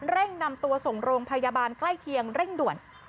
เร่งนำตัวส่งโรงพยาบาลใกล้เคียงเร่งด่วน